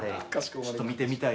ちょっと見てみたいです。